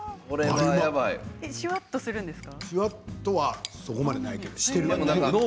シュワっとするんですか？